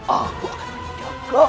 aku akan menjaga hatiku